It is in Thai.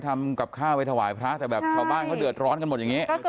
ก็ทำกับข้าวไปถวายพระพระครับแต่แบบชาวบ้านเขาสิอ้อนก็เดือดร้อนกันหมดอย่างนี้